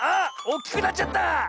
おっきくなっちゃった！